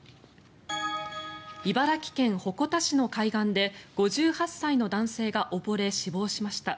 茨城県鉾田市の海岸で５８歳の男性が溺れ死亡しました。